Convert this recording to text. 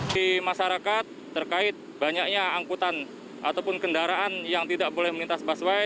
di masyarakat terkait banyaknya angkutan ataupun kendaraan yang tidak boleh melintas busway